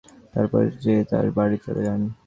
তারপর যে যাঁর বাড়ি চলে যান।